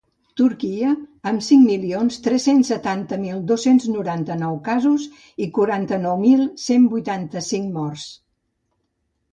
Turquia, amb cinc milions tres-cents setanta mil dos-cents noranta-nou casos i quaranta-nou mil cent vuitanta-cinc morts.